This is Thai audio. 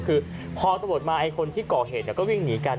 คือพอตำรวจมาไอ้คนที่ก่อเหตุก็วิ่งหนีกัน